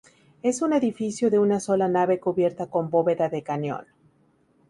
Es un edificio de una sola nave cubierta con bóveda de cañón.